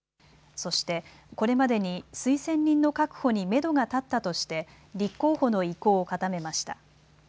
そして、これまでに推薦人の確保にめどが立ったとして立候補の意向を固めました。